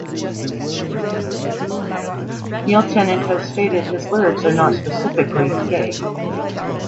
Neil Tennant has stated that his lyrics are not specifically gay.